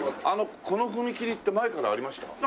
あのこの踏切って前からありました？